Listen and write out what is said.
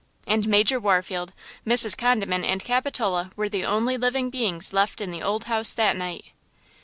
And Major Warfield, Mrs. Condiment and Capitola were the only living beings left in the old house that night.